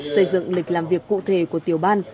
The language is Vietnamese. xây dựng lịch làm việc cụ thể của tiểu ban